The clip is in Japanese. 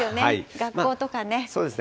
学校とかね。